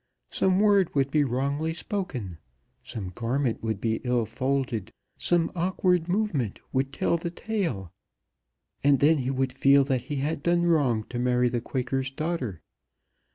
Some word would be wrongly spoken, some garment would be ill folded, some awkward movement would tell the tale, and then he would feel that he had done wrong to marry the Quaker's daughter.